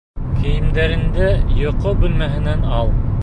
Кейемдәреңде йоҡо бүлмәһенән ал!